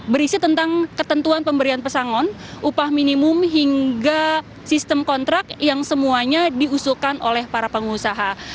berisi tentang ketentuan pemberian pesangon upah minimum hingga sistem kontrak yang semuanya diusulkan oleh para pengusaha